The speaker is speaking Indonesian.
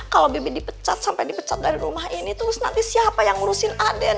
kalau bibit dipecat sampai dipecat dari rumah ini terus nanti siapa yang ngurusin aden